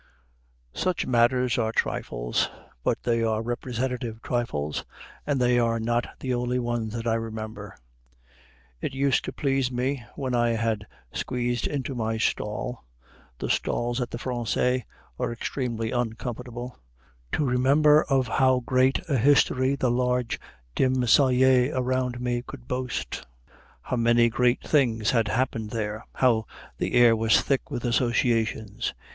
Such matters are trifles, but they are representative trifles, and they are not the only ones that I remember. It used to please me, when I had squeezed into my stall the stalls at the Français are extremely uncomfortable to remember of how great a history the large, dim salle around me could boast; how many great things had happened there; how the air was thick with associations.